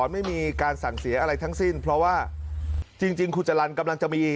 ไม่มีการสั่งเสียอะไรทั้งสิ้นเพราะว่าจริงคุณจรรย์กำลังจะมี